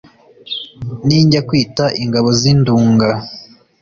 ninjya kwita ingabo z’i nduga